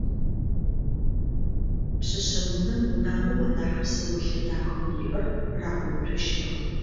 Пшъэшъэунэм унагъом анахь псэолъэ дахэу иӏэр рагъэуцощтыгъэ.